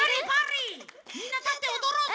みんなたっておどろうぜ！